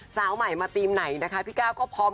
สาวใหม่มาทีมไหนนะคะพี่ก้าวก็พร้อม